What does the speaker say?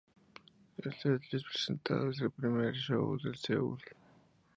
El setlist presentado es de el primer show de Seúl.